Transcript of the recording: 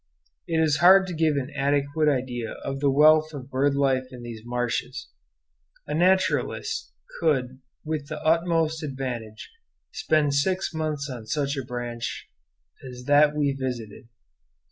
It is hard to give an adequate idea of the wealth of bird life in these marshes. A naturalist could with the utmost advantage spend six months on such a branch as that we visited.